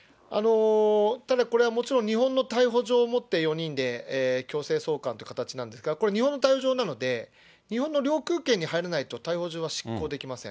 ただこれ、もちろん日本の逮捕状を持って４人で強制送還という形なんですが、日本の逮捕状なんで、日本の領空圏に入らないと逮捕状は執行できません。